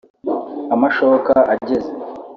Amashoka ageze